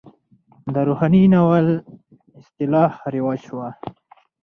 د روحاني ناول اصطلاح رواج شوه.